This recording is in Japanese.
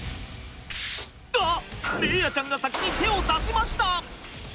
あっ伶哉ちゃんが先に手を出しました！